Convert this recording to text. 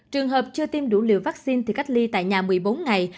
trường hợp chưa tiêm đủ liều vaccine thì cách ly tại nhà một mươi bốn ngày